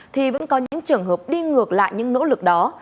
thì vẫn có những trường hợp đi ngược lại những nỗ lực đó